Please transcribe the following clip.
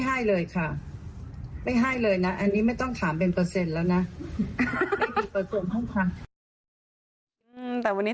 ธนัยตั้มก็พูดประมาณว่ารู้ที่มาของจดหมายที่แม่เขียนว่าไม่ให้ธนัยตั้มยุ่งกับคดี